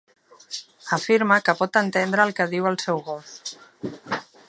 Afirma que pot entendre el que diu el seu gos